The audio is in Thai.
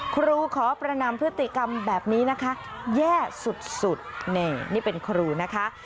ครูขอประนามพฤติกรรมแบบนี้นะคะแย่สุดนี่นี่เป็นครูนะคะ